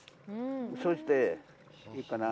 そして、いいかな。